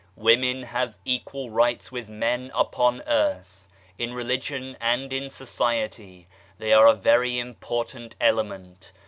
Women have equal rights with men upon earth ; in Religion and in Society they are a very important element.